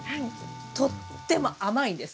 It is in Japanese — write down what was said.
とっても甘いんです。